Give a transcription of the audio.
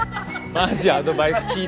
マジアドバイス効いた。